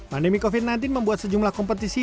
pandemi covid sembilan belas membuat sejumlah kompetisi